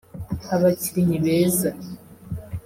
abakinnyi beza